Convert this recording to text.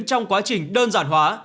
trong quá trình đơn giản hóa